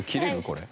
これ。